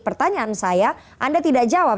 pertanyaan saya anda tidak jawab